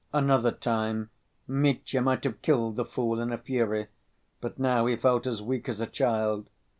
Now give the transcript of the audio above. Another time Mitya might have killed the fool in a fury, but now he felt as weak as a child.